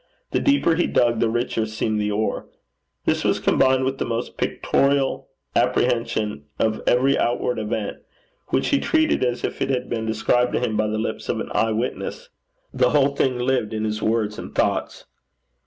The deeper he dug the richer seemed the ore. This was combined with the most pictorial apprehension of every outward event, which he treated as if it had been described to him by the lips of an eye witness. The whole thing lived in his words and thoughts.